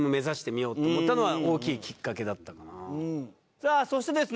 さあそしてですね